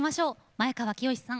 前川清さん